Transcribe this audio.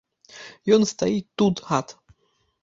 Ён стаіць тут, гад.